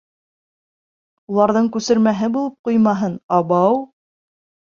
Уларҙың күсермәһе булып ҡуймаһын, абау!